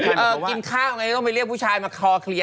กินข้าวไม่ต้องไปเรียกผู้ชายมาคอเคลีย๗๐๗๐๐๐๐๑๐๘